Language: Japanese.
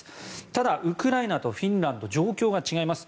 ただ、ウクライナとフィンランド状況が違います。